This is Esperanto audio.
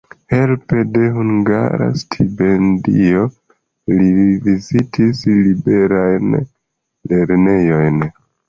Helpe de hungara stipendio li vizitis liberajn lernejojn.